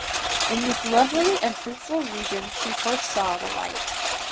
In this lovely and fruitful region she first saw the light.